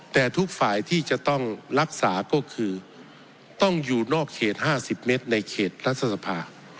แต่ทุกฝ่ายที่จะต้องรักษาก็คือต้องอยู่นอกเขต๕๐เมตรในเขตรัฐสภา